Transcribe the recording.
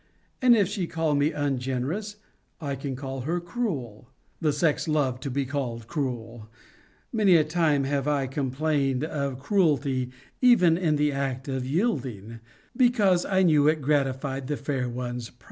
And if she call me ungenerous, I can call her cruel. The sex love to be called cruel. Many a time have I complained of cruelty, even in the act of yielding, because I knew it gratified the fair one's pride.